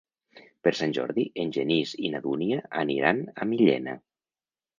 Per Sant Jordi en Genís i na Dúnia aniran a Millena.